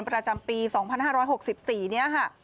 ประจำปี๒๕๖๔นี้ค่ะ